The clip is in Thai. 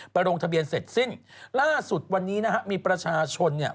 ลงทะเบียนเสร็จสิ้นล่าสุดวันนี้นะฮะมีประชาชนเนี่ย